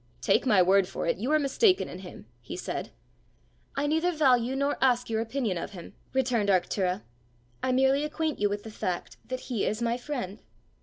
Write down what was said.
"Take my word for it, you are mistaken in him," he said. "I neither value nor ask your opinion of him," returned Arctura. "I merely acquaint you with the fact that he is my friend."